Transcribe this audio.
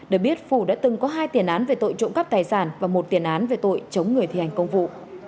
được biết phủ đã từng có hai tiền án về tội trộm cắp tài sản và một tiền án về tội chống người thi hành công vụ